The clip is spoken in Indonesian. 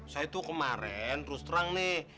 saya itu kemarin terus terang nih